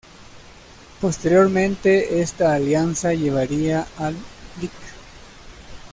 Posteriormente esta alianza llevaría al Lic.